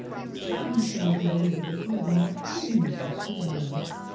[Jpon the details of Elizabeth's wedding it ia needless to dwell.